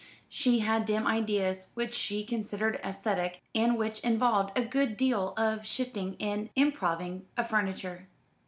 She had dim ideas which she considered aesthetic, and which involved a good deal of shifting and improving of furniture.